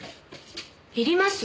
いります？